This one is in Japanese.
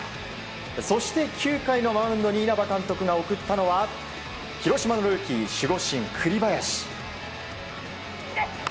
そして９回のマウンドに稲葉監督が送ったのは広島ルーキー守護神の栗林。